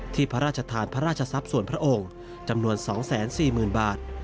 พระราชทานพระราชทรัพย์ส่วนพระองค์จำนวน๒๔๐๐๐บาท